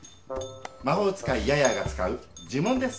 魔法使いヤヤーが使う呪文です。